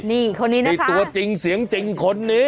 นี่คนนี้นะนี่ตัวจริงเสียงจริงคนนี้